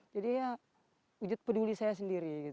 jadi ya wujud peduli saya sendiri